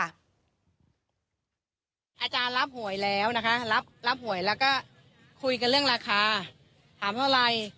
อาจารย์รับหวยแล้วนะคะรับหวยแล้วก็คุยกันเรื่องราคาถามเท่าไร